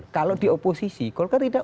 kalau di oposisi golkar tidak